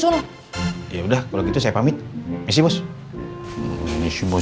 sana ya udah kalau gitu saya pamit misi bos misi bos misi bos aduh mau dear gue gimana ya